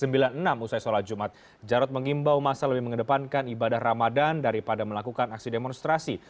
usai sholat jumat jarod mengimbau masa lebih mengedepankan ibadah ramadan daripada melakukan aksi demonstrasi